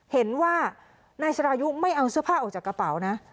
เห็นว่านายสรายุไม่เอาเสื้อผ้าออกจากกระเป๋านะ